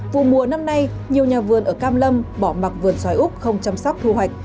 vụ mùa năm nay nhiều nhà vườn ở cam lâm bỏ mặt vườn xoài úc không chăm sóc thu hoạch